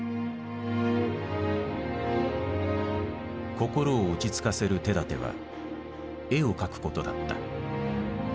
心を落ち着かせる手だては絵を描くことだった。